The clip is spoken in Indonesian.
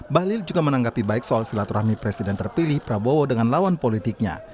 bahlil juga menanggapi baik soal silaturahmi presiden terpilih prabowo dengan lawan politiknya